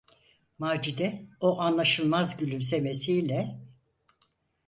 Macide o anlaşılmaz gülümsemesiyle: